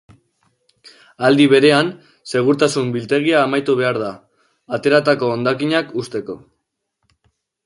Aldi berean, segurtasun-biltegia amaitu behar da, ateratako hondakinak uzteko.